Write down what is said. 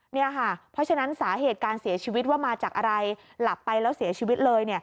เพราะฉะนั้นสาเหตุการเสียชีวิตว่ามาจากอะไรหลับไปแล้วเสียชีวิตเลย